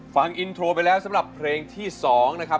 ฟังอินโทรไปแล้วสำหรับเพลงที่๒นะครับ